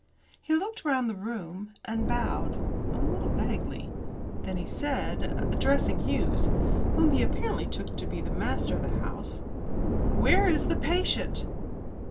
He looked round the room, and bowed a little vaguely. Then he said, addressing Hughes, whom he apparently took to be the master of the house, "Where is the patient?"